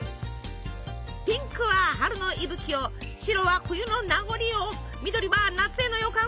ピンクは春の息吹を白は冬の名残を緑は夏への予感を表現。